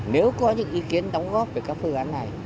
nếu có những ý kiến đóng góp về các phương án này